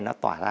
nó tỏa ra